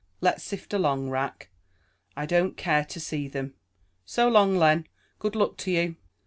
Let's sift along, Rack. I don't care to see them. So long, Len. Good luck to you."